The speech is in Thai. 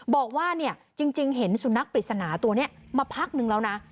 บอกว่าจริงเห็นสุนัขปริศนาตัวนี้มาพักนึงแล้วนะ